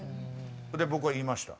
それで僕は言いました。